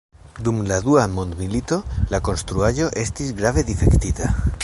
Dum la Dua Mondmilito la konstruaĵo estis grave difektita.